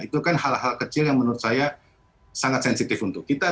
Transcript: itu kan hal hal kecil yang menurut saya sangat sensitif untuk kita